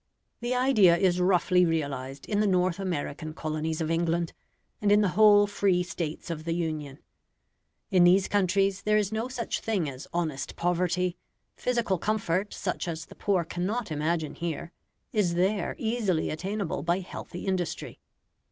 The idea is roughly realised in the North American colonies of England, and in the whole free States of the Union. In these countries there is no such thing as honest poverty; physical comfort, such as the poor cannot imagine here, is there easily attainable by healthy industry.